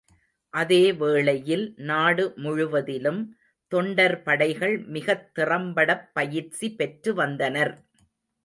அதே வேளையில் நாடு முழுவதிலும் தொண்டர்படைகள் மிகத் திறம்படப் பயிற்சி பெற்றுவந்தனர்.